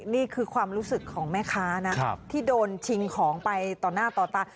นี่คือความรู้สึกของแม่ค้านะที่โดนชิงของไปต่อหน้าต่อตา